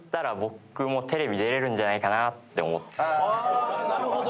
あなるほど。